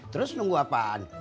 terus nunggu apaan